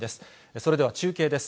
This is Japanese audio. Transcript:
それでは中継です。